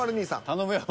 頼むよ。